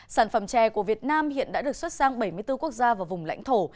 sản phẩm chè của việt nam hiện đã được xuất sang bảy mươi bốn quốc gia và vùng lãnh thổ